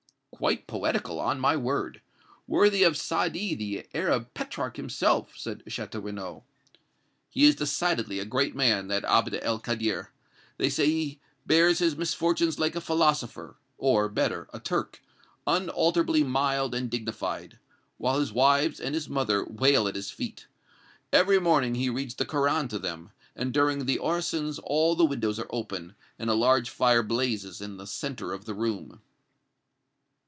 "Quite poetical, on my word! Worthy of Sadi, the Arab Petrarch, himself!" said Château Renaud. "He is decidedly a great man, that Abd el Kader. They say he bears his misfortunes like a philosopher or, better, a Turk unalterably mild and dignified, while his wives and his mother wail at his feet. Every morning he reads the Koran to them, and during the orisons all the windows are open, and a large fire blazes in the centre of the room."